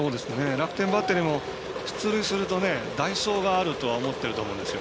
楽天バッテリーも出塁すると代走があるとは思ってると思うんですよ。